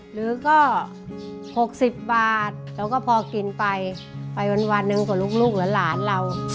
หรือก็หกสิบบาทแล้วก็พอกินไปไปวันวันหนึ่งกับลูกลูกและหลานเรา